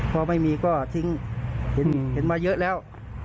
พอไม่มีก็ทิ้งเห็นมาเยอะแล้ว